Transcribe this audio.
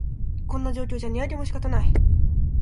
こんな状況じゃ値上げも仕方ない